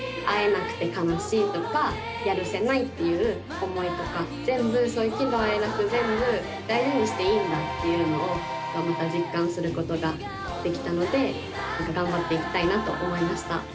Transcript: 会えなくて悲しいとかやるせないっていう思いとか全部そういう喜怒哀楽全部大事にしていいんだっていうのを実感することができたので頑張っていきたいなと思いました。